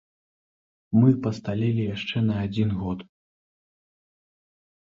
Мы пасталелі яшчэ на адзін год.